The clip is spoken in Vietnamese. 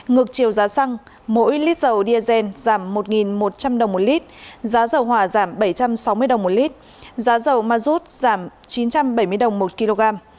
ngược chiều giá xăng mỗi lít dầu diazen giảm một một trăm linh đồng một lít giá dầu hòa giảm bảy trăm sáu mươi đồng một lít giá dầu mazut giảm chín trăm bảy mươi đồng một kg